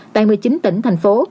tại một mươi chín tỉnh thành phố